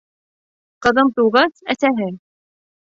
Ҡыҙым тыуғас, әсәһе: